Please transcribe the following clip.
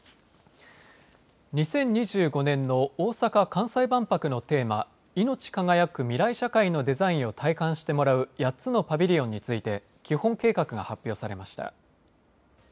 ２０２５年の大阪・関西万博のテーマいのち輝く未来社会のデザインを体感してもらう８つのパビリオンについて基本計画が発表されました。